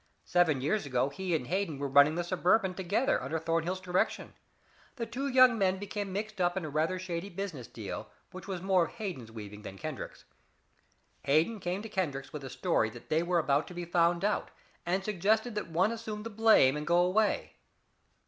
Seven years ago he and Hayden were running the Suburban together, under Thornhill's direction. The two young men became mixed up in a rather shady business deal, which was more of Hayden's weaving than Kendrick's. Hayden came to Kendrick with the story that they were about to be found out, and suggested that one assume the blame and go away.